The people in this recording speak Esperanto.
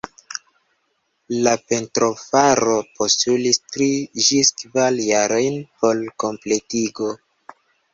La pentrofaro postulis tri ĝis kvar jarojn por kompletigo.